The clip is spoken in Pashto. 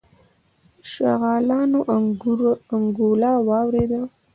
شغالانو انګولا واورېدله.